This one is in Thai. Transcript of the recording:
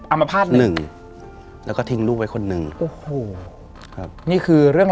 อัมพาตหนึ่ง